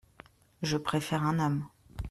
Je préfère un homme.